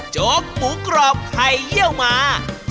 โจ๊กหมูกรอบไข่เยี่ยวหมา